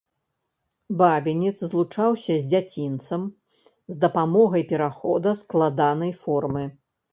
Бабінец злучаўся з дзяцінцам з дапамогай перахода складанай формы.